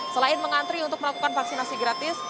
selain mengantri untuk melakukan vaksinasi gratis